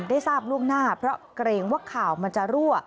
ได้ทราบล่วงหน้าเพราะเกรงว่าข่าวมันจะรั่ว